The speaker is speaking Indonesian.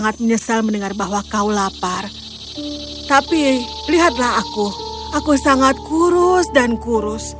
tapi lihatlah aku aku sangat kurus dan kurus